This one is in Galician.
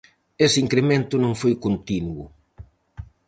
Ese incremento non foi continuo.